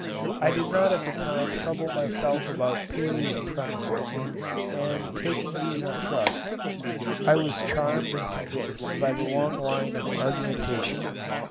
I did not at that time trouble myself about Paley's premises; and taking these on trust, I was charmed and convinced by the long line of argumentation.